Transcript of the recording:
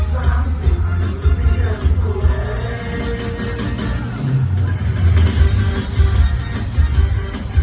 โตไม่แค่ร้องเติ้ลสามสิบที่ยังโทรเย่